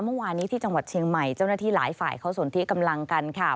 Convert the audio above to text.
เมื่อวานนี้ที่จังหวัดเชียงใหม่เจ้าหน้าที่หลายฝ่ายเขาสนที่กำลังกันค่ะ